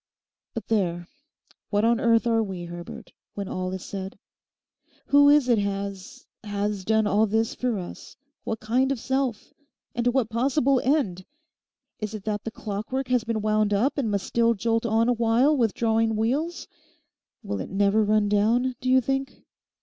But there, what on earth are we, Herbert, when all is said? Who is it has—has done all this for us—what kind of self? And to what possible end? Is it that the clockwork has been wound up and must still jolt on a while with jarring wheels? Will it never run down, do you think?